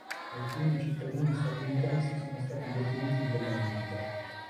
Alcuni cittadini statunitensi sono stati detenuti illegalmente.